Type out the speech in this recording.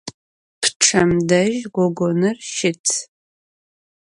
Pççem dej gogonır şıt.